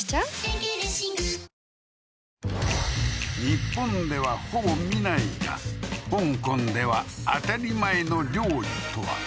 日本ではほぼ見ないが香港では当たり前の料理とは？